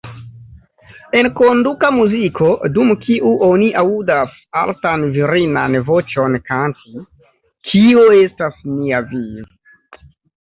Enkonduka muziko, dum kiu oni aŭdas altan virinan voĉon kanti ""Kio estas nia viv'?